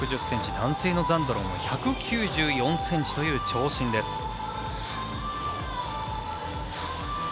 男性のザンドロンも１９４ｃｍという長身です。